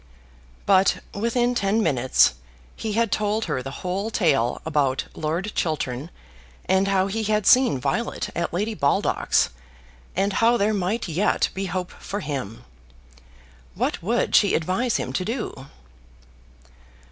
But within ten minutes he had told her the whole tale about Lord Chiltern, and how he had seen Violet at Lady Baldock's, and how there might yet be hope for him. What would she advise him to do?